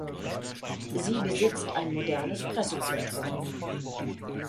Sie besitzt ein modernes Pressezentrum.